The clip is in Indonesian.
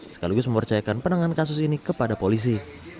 sekaligus mempercayakan penanganan kasus ini kepada polisi